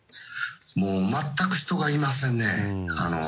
全く人がいませんね。